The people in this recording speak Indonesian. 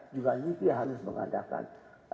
juga nanti harus mengadakan